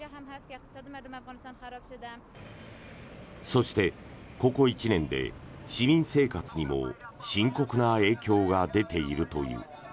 そして、ここ１年で市民生活にも深刻な影響が出ているという。